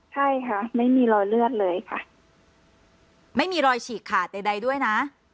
ใช่ค่ะไม่มีรอยเลือดเลยค่ะไม่มีรอยฉีกขาดใดใดด้วยนะ